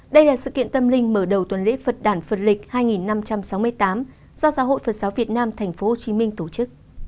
đây là sự kiện tâm linh mở đầu tuần lễ phật đàn phật lịch hai năm trăm sáu mươi tám do giáo hội phật giáo việt nam tp hcm tổ chức